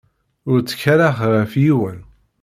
Ur ttkaleɣ ɣef yiwen.